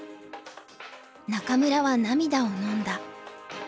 仲邑は涙をのんだ。